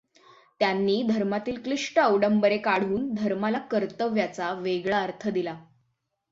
त्यांनी धर्मातील क्लिष्ट अवडंबरे काढून धर्माला कर्तव्याचा वेगळा अर्थ दिला.